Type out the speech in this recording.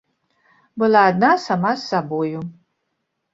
Была адна сама з сабою.